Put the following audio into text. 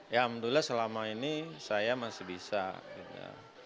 ya alhamdulillah selama ini saya masih bisa gitu